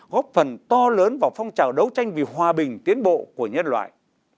góp phần to lớn vào phong trào đấu tranh vì hòa bình tiến bộ của nhân loại